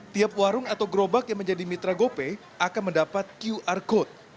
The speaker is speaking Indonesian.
tiap warung atau gerobak yang menjadi mitra gopay akan mendapat qr code